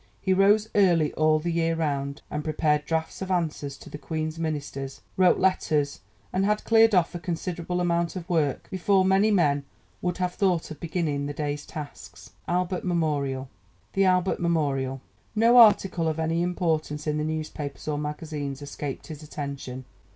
He rose early all the year round, and prepared drafts of answers to the Queen's Ministers, wrote letters and had cleared off a considerable amount of work before many men would have thought of beginning the day's tasks. [Illustration: THE ALBERT MEMORIAL] No article of any importance in the newspapers or magazines escaped his attention.